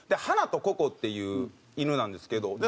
はなとココっていう犬なんですけど。